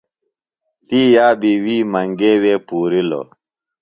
تی یابی وی منگے وے پُورِلوۡ۔